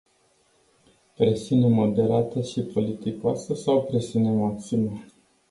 Presiune moderată și politicoasă sau presiune maximă?